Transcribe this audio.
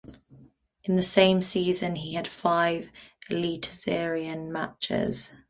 In the same season he had five Eliteserien matches.